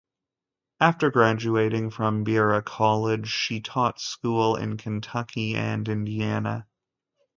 After graduating from Berea College she taught school in Kentucky and Indiana.